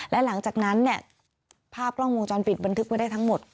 และหลังจากนั้นเนี่ยภาพกล้องวงจรปิดบันทึกไว้ได้ทั้งหมด